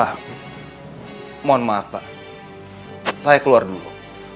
ah mohon maaf pak saya keluar dulu